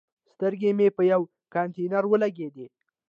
سترګې مې په یوه کانتینر ولګېدي.